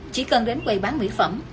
chỉ cần đến quầy bán mỹ phẩm